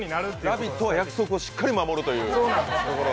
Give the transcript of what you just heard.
「ラヴィット！」は約束をしっかり守るという。